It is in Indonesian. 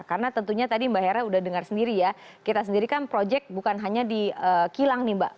karena tentunya tadi mbak hera udah dengar sendiri ya kita sendiri kan project bukan hanya di kilang nih mbak